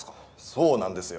そうなんですよ